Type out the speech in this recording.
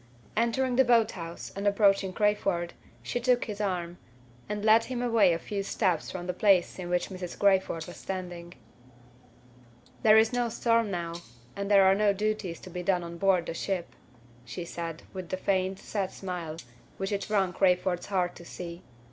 Entering the boat house, and approaching Crayford, she took his arm, and led him away a few steps from the place in which Mrs. Crayford was standing. "There is no storm now, and there are no duties to be done on board the ship," she said, with the faint, sad smile which it wrung Crayford's heart to see.